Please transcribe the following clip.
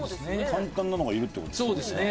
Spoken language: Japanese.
簡単なのがいるって事ですね。